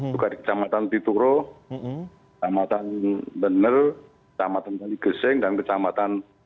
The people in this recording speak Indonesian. juga di kecamatan tituro kecamatan bener kecamatan kaligeseng dan kecamatan